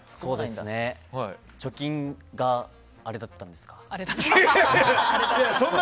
貯金があれだったんですか。